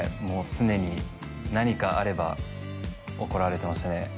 もう常に何かあれば怒られてましたね